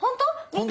見て！